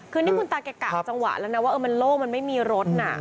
คือนี่คุณตาแกะกากจางหวัดแล้วนะว่ามันโล้มไม่มีรถ